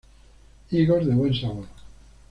Higos de buen sabor.